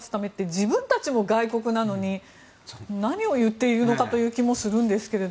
自分たちも外国なのに何を言っているんだろうと思いますが。